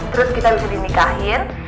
terus kita bisa dimikahin